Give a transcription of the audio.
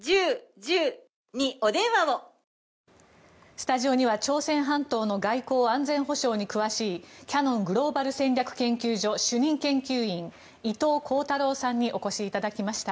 スタジオには、朝鮮半島の外交・安全保障に詳しいキヤノングローバル戦略研究所主任研究員、伊藤弘太郎さんにお越しいただきました。